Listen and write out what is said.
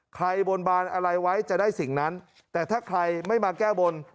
บนบานอะไรไว้จะได้สิ่งนั้นแต่ถ้าใครไม่มาแก้บน